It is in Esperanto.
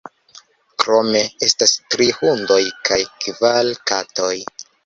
Krome estas tri hundoj kaj kvar katoj.